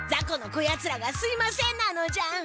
このこやつらがすいませんなのじゃ。